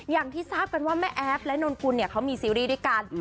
อย่างที่ทราบกันว่าแม่แอฟและนนกุลเนี่ยเขามีซีรีส์ด้วยกัน